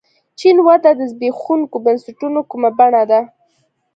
چین وده د زبېښونکو بنسټونو کومه بڼه ده.